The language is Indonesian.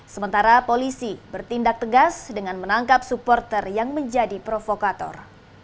sementara polisi bertindak tegas dengan menangkap supporter yang menjadi provokator